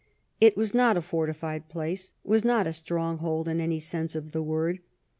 It was not a fortified place ; was not a stronghold in any sense of the word.